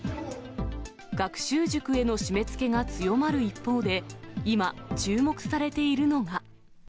学習塾への締めつけが強まる一方で、今、注目されているのが。